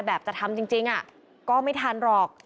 จะทำจริงก็ไม่ทันหรอก